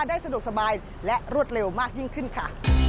ได้สะดวกสบายและรวดเร็วมากยิ่งขึ้นค่ะ